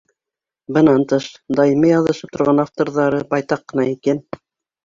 Бынан тыш, даими яҙышып торған авторҙары байтаҡ ҡына икән.